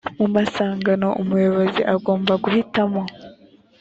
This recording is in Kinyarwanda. mu masangano umuyobozi agomba guhitamo